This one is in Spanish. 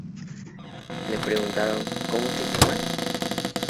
Le preguntaron ¿Cómo te llamas?